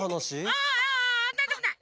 ああなんでもない！